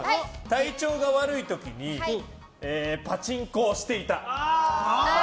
体調が悪い時にパチンコをしていた。